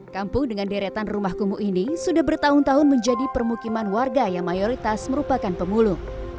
kampung dengan deretan rumah kumuh ini sudah bertahun tahun menjadi permukiman warga yang mayoritas merupakan pemulung